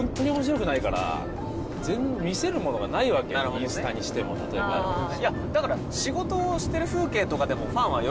インスタにしても例えばうんうん